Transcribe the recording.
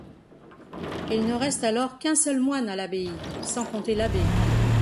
Il ne reste alors qu'un seul moine à l'abbaye, sans compter l'abbé.